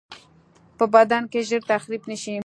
په بدن کې ژر تخریب نشي.